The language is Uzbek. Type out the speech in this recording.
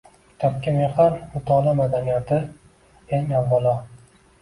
Kitobga mehr, mutolaa madaniyati, eng avvalo